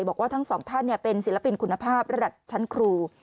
บอกว่าทั้งสองท่านเป็นศิลปินคุณภาพระดับชั้นครู